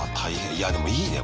いやでもいいね